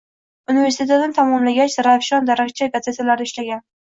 Universitetni tamomlagach, Zarafshon, Darakchi gazetalarida ishlagan